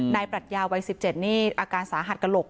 ปรัชญาวัย๑๗นี่อาการสาหัสกระโหลก